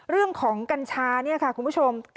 เรื่องของกัญชาเนี่ยค่ะคุณผู้ชม